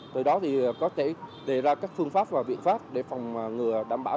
từ đó thì có thể đề ra các phương pháp và biện pháp để phòng ngừa đảm bảo